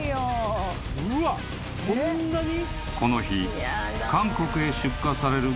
［この日韓国へ出荷される